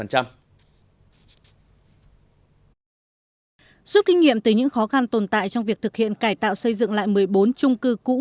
giúp kinh nghiệm từ những khó khăn tồn tại trong việc thực hiện cải tạo xây dựng lại một mươi bốn trung cư cũ